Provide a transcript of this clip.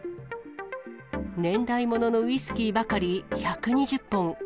年代物のウイスキーばかり１２０本。